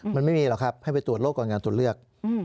มันไม่มีหรอกครับให้ไปตรวจโรคก่อนการตรวจเลือก